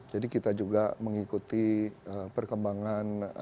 jadi kita juga mengikuti perkembangan